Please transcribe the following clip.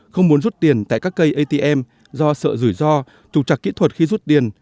không muốn rút tiền tại các cây atm do sợ rủi ro trục trạc kỹ thuật khi rút tiền